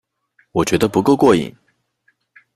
我觉得不够过瘾